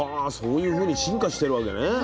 はそういうふうに進化してるわけね。